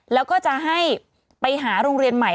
แล้วก็จะให้ไปหาโรงเรียนใหม่